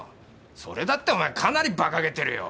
それだってお前かなり馬鹿げてるよ。